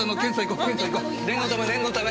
念のため念のため。